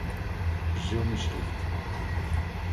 Жирный шрифт